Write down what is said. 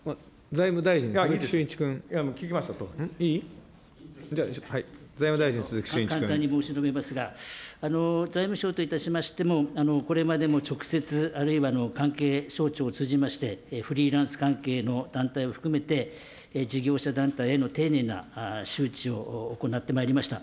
財務大臣、簡単に申し述べますが、財務省といたしましても、これまでも直接あるいは関係省庁を通じまして、フリーランス関係の団体を含めて、事業者団体への丁寧な周知を行ってまいりました。